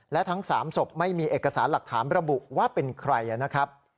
และทั้ง๓ศพไม่มีเอกสารหลักฐานระบุว่าเป็นใครนะครับ